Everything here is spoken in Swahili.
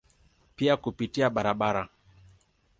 Pia kupitia barabara.